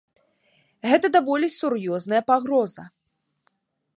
Гэта даволі сур'ёзная пагроза.